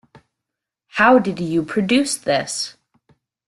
How did you produce this?